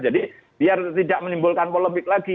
jadi biar tidak menimbulkan polemik lagi